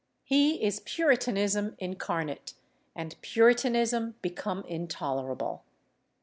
He is Puritanism incarnate, and Puritanism become intolerable....